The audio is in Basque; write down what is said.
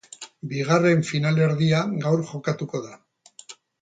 Bigarren finalerdia gaur jokatuko da.